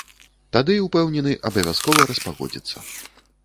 Тады, упэўнены, абавязкова распагодзіцца.